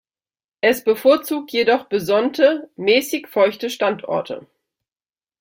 Es bevorzugt jedoch besonnte, mäßig feuchte Standorte.